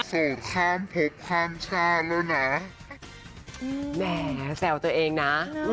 แสวตัวเองนะ